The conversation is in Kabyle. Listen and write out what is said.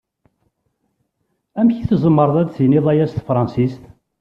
Amek i tzemreḍ ad d-tiniḍ aya s tefṛansist?